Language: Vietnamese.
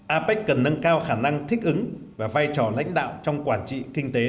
apec cần nâng cao khả năng thích ứng và vai trò lãnh đạo trong quản trị